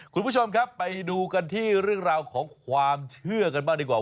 คุณผู้ชมครับไปดูกันที่เรื่องราวของความเชื่อกันบ้างดีกว่า